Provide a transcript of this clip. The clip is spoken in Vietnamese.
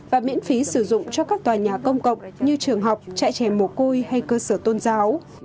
và miễn phí sử dụng cho các tòa nhà công cộng như trường học trại trẻ mồ côi hay cơ sở tôn giáo